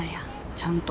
ちゃんと。